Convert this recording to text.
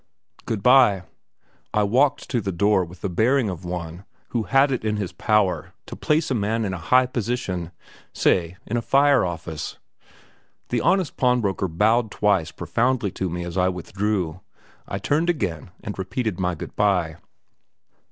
"Good bye!" I walked to the door with the bearing of one who had it in his power to place a man in a high position, say in the fire office. The honest pawnbroker bowed twice profoundly to me as I withdrew. I turned again and repeated my good bye.